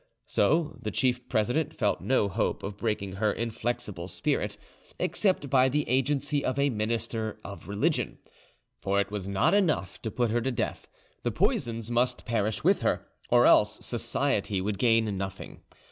So the chief president felt no hope of breaking her inflexible spirit, except by the agency of a minister of religion; for it was not enough to put her to death, the poisons must perish with her, or else society would gain nothing.